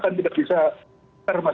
menemukan dan kita teruskan kepada bank